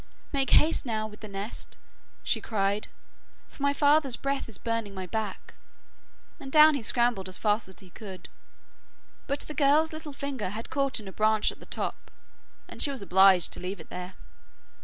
'Make haste now with the nest,' she cried, 'for my father's breath is burning my back,' and down he scrambled as fast as he could, but the girl's little finger had caught in a branch at the top, and she was obliged to leave it there.